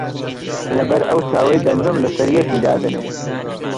لەبەر ئەو چاوەی دەمرم لەسەر یەکی دادەنێ